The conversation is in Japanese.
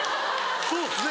そうですね